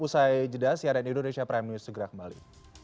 usai jeda cnn indonesia prime news segera kembali